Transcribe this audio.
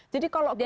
jadi kalau keluar